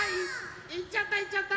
いっちゃったいっちゃった。